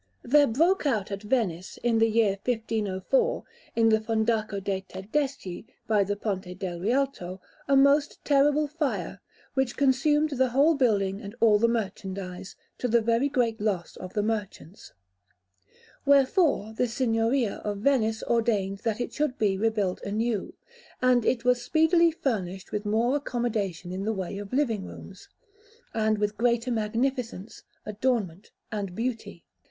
There broke out at Venice, in the year 1504, in the Fondaco de' Tedeschi by the Ponte del Rialto, a most terrible fire, which consumed the whole building and all the merchandise, to the very great loss of the merchants; wherefore the Signoria of Venice ordained that it should be rebuilt anew, and it was speedily finished with more accommodation in the way of living rooms, and with greater magnificence, adornment, and beauty.